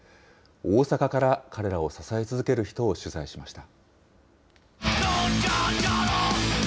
大阪から彼らを支え続ける人を取材しました。